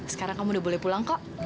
sekarang kamu udah boleh pulang kok